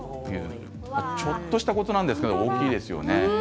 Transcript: ちょっとしたことなんですが大きいですよね。